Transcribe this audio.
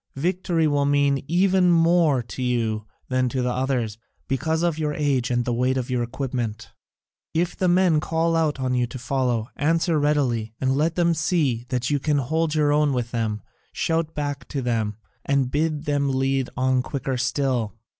Victory will mean even more to you than to the others, because of your age and the weight of your equipment. If the men in front call on you to follow, answer readily, and let them see that you can hold your own with them, shout back to them, and bid them lead on quicker still.